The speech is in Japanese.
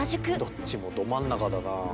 どっちもど真ん中だなあ。